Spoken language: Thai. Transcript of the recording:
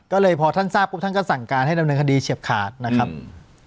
ก็เลยพอท่านทราบปุ๊บท่านก็สั่งการให้ดำเนินคดีเฉียบขาดนะครับ